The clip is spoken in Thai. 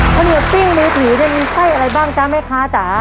ข้าวเหนียวปิ้งในผิวจะมีไส้อะไรบ้างจ๊ะมั้ยคะจ๊ะ